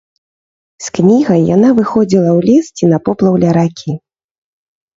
З кнігай яна выходзіла ў лес ці на поплаў ля ракі.